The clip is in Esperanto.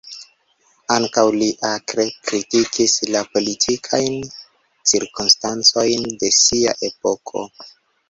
Ankaŭ li akre kritikis la politikajn cirkonstancojn de sia epoko.